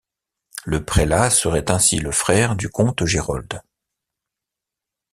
Le prélat serait ainsi le frère du comte Gérold.